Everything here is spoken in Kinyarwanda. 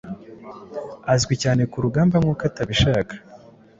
Azwi cyane kurugamba nkuko atabishaka